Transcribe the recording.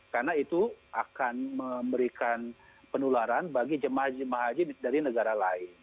karena itu akan memberikan penularan bagi jemaah haji dari negara lain